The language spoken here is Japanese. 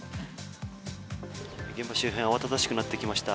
現場周辺慌ただしくなってきました。